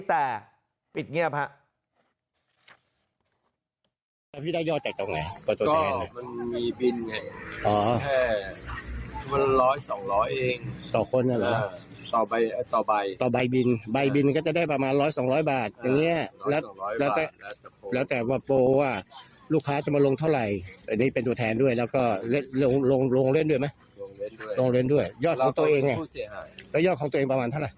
แต่ปิดเงียบครับ